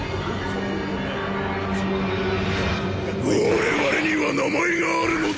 我々には名前があるのだ！